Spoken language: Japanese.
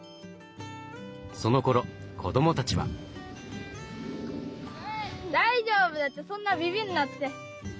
そのころ子どもたちは。大丈夫だってそんなビビんなって。